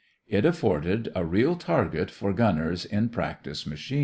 It afforded a real target for gunners in practice machines.